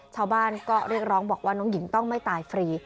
ชาวบ้านก็เรียกร้องบอกว่าน้องหญิงต้องไม่ตายฟรี